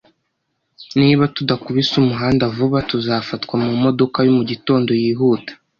Niba tudakubise umuhanda vuba, tuzafatwa mumodoka yo mu gitondo yihuta.